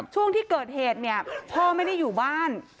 ช่วงที่เกิดเหตุเนี่ยพ่อไม่ได้อยู่บ้าน